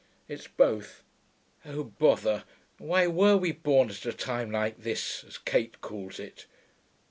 It's both.... Oh bother, why were we born at a time like this, as Kate calls it?'